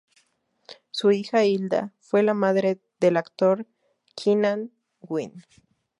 Su hija Hilda fue la madre del actor Keenan Wynn.